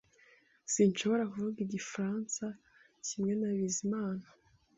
Sinshobora kuvuga igifaransa kimwe na Bizimana